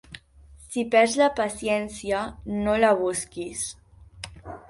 Si perds la paciència, no la busquis.